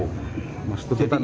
jadi kita mampu